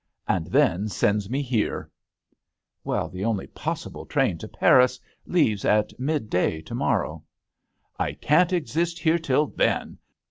And then sends me here !"*' Well, the only possible train to Paris leaves at midday to morrow." " I can't exist here till then.